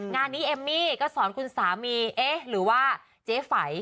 งานนี้เอมมี่ก็สอนคุณสามีเอ๊ะหรือว่าเจ๊ไฝ